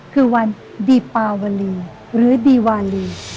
คือวันดีปาวาลีหรือดีวาลี